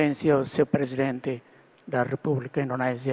inilah yang memang penting bagi pembawaannya indonesia